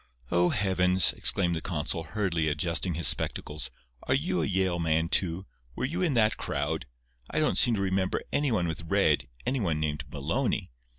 "Oh, heavens!" exclaimed the consul, hurriedly adjusting his spectacles. "Are you a Yale man, too? Were you in that crowd? I don't seem to remember any one with red—any one named Maloney.